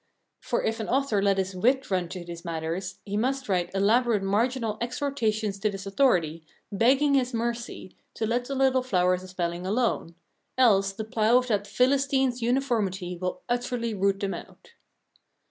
For if an author let his wit run to these matters, he must write elaborate marginal exhortations to this authority, begging his mercy, to let the little flowers of spelling alone. Else the plough of that Philistine's uniformity will utterly root them out.